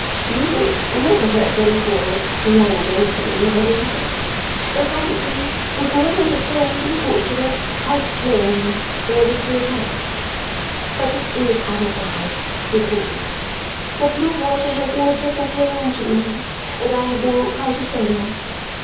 YOU never heard them called the young gentlemen, my dears, and probably would not understand allusions to their pipe claying their weekly accounts, but it is otherwise with me, for blue water has been a second home to me, and I have been quite a sailor.